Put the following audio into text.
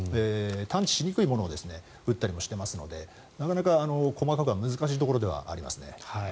探知しにくいものを撃ったりもしていますのでなかなか細かくは難しいところではありますね。